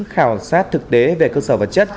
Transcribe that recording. khảo sát thực đế về cơ sở vật chất